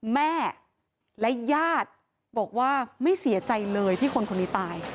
แม่และญาติบอกว่าไม่เสียใจเลยที่คนคนนี้ตาย